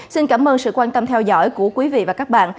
xin cảm ơn sự quan tâm theo dõi của quý vị và các bạn